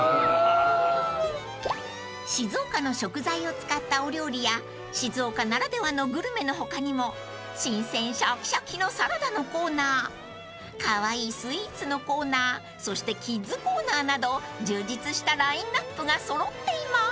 ［静岡の食材を使ったお料理や静岡ならではのグルメの他にも新鮮シャキシャキのサラダのコーナーカワイイスイーツのコーナーそしてキッズコーナーなど充実したラインアップが揃っています］